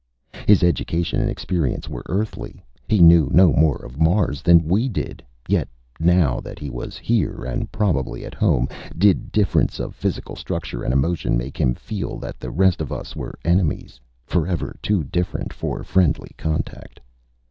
His education and experience were Earthly. He knew no more of Mars than we did. Yet, now that he was here and probably at home, did difference of physical structure and emotion make him feel that the rest of us were enemies, forever too different for friendly contact?